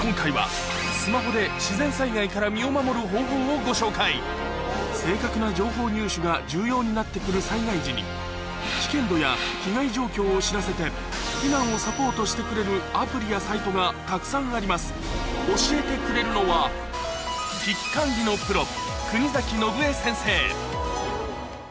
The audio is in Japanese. そこで今回は方法をご紹介正確な情報入手が重要になって来る災害時に危険度や被害状況を知らせて避難をサポートしてくれるアプリやサイトがたくさんあります教えてくれるのは危機管理のプロ